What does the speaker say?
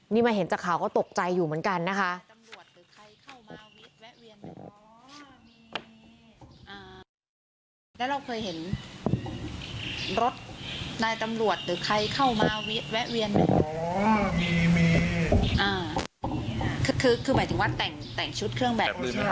นี่มาเห็นจากข่าวก็ตกใจอยู่เหมือนกันนะคะ